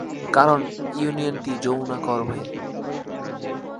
কারণ ইউনিয়নটি যমুনা গর্ভে।